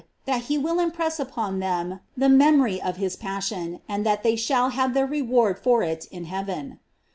That he willimpress upon them the memory of his passion, and that they shall have their reward for it in heaven.